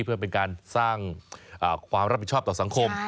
เพื่อเป็นการสร้างความรับผิดชอบต่อสังคม